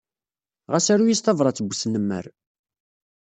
Ɣas aru-as tabṛat n wesnemmer.